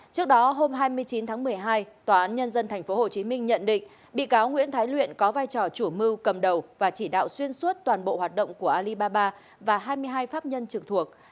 trước đó hôm hai mươi chín tháng một mươi hai tòa án nhân dân tp hcm nhận định bị cáo nguyễn thái luyện có vai trò chủ mưu cầm đầu và chỉ đạo xuyên suốt toàn bộ hoạt động của alibaba và hai mươi hai pháp nhân trực thuộc